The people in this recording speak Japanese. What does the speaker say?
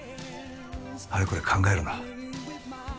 あれこれ考えるな。